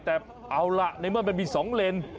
แต่เอาล่ะในเมื่อมันมี๒เลน